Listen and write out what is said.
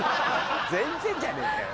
全然じゃねえかよ！